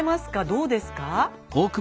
どうですか？